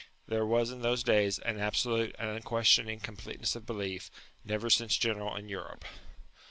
There was in those days an absolute and unquestioning completeness of belief, never since general in Europe.